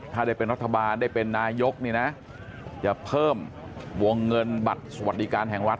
ถ้าได้เป็นรัฐบาลได้เป็นนายกนี่นะจะเพิ่มวงเงินบัตรสวัสดิการแห่งรัฐ